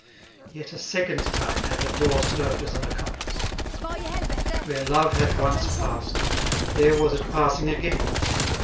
Yet a second time had the door served as an accomplice. Where love had once passed, there was it passing again.